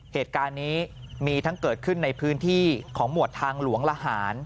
เหตุการณ์นี้มีทั้งเกิดขึ้นในพื้นที่ของหมวดทางหลวงละหาร